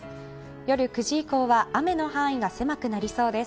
夜９時以降は雨の範囲が狭くなりそうです。